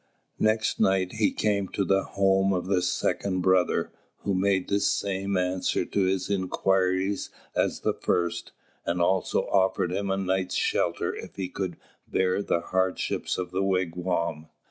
Next night he came to the home of the second brother, who made the same answer to his inquiries as the first, and also offered him a night's shelter if he could bear the hardships of the wigwam.